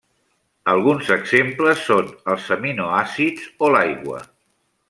Alguns exemples són els aminoàcids o l'aigua.